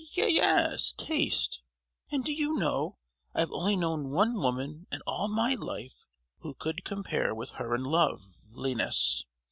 ye—yes! taste. And do you know, I have only known one woman in all my life who could compare with her in love—liness.